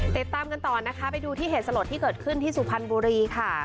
ติดตามกันต่อนะคะไปดูที่เหตุสลดที่เกิดขึ้นที่สุพรรณบุรีค่ะ